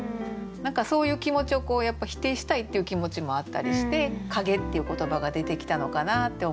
何かそういう気持ちを否定したいっていう気持ちもあったりして「陰」っていう言葉が出てきたのかなって思いますね。